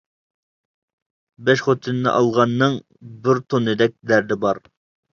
بەش خوتۇننى ئالغاننىڭ، بىر توننىدەك دەردى بار.